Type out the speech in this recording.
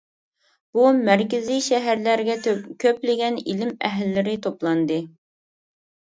بۇ مەركىزىي شەھەرلەرگە كۆپلىگەن ئىلىم ئەھلىلىرى توپلاندى.